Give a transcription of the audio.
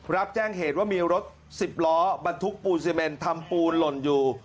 รับแจ้งเหตุว่ามีรถสิบล้อบรรทุกปูนซีเมนทำปูนหล่นอยู่